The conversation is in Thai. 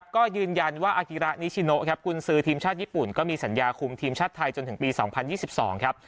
ก็ยืนยันว่าอากิระนิชิโนครับกุญซือทีมชาติญี่ปุ่นก็มีสัญญาคุมทีมชาติไทยจนถึงปี๒๐๒๒ครับ